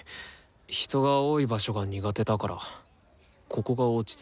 人が多い場所が苦手だからここが落ち着くってだけで。